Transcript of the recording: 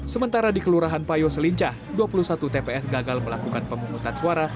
sementara di kelurahan payo selincah dua puluh satu tps gagal melakukan pemungutan suara